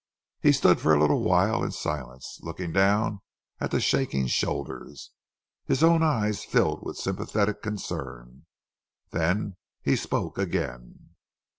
He stood for a little while in silence, looking down at the shaking shoulders. His own eyes filled with sympathetic concern, then he spoke again.